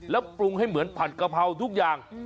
แล้วปรุงให้เหมือนผัดกะเพราทุกอย่าง